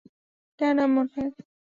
কেন এমন হয়?